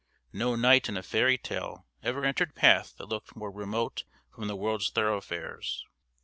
No knight in a fairy tale ever entered path that looked more remote from the world's thoroughfares.